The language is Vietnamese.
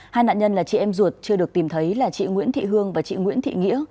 hai nạn nhân là chị em ruột chưa được tìm thấy là chị nguyễn thị hương và chị nguyễn thị nghĩa